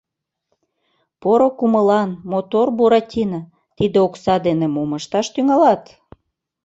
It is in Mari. — Поро кумылан, мотор Буратино, тиде окса дене мом ышташ тӱҥалат?